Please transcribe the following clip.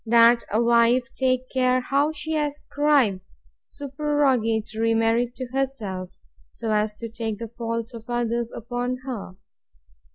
That a wife take care how she ascribe supererogatory merit to herself; so as to take the faults of others upon her.